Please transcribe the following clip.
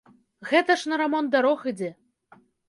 Гэта ж на рамонт дарог ідзе.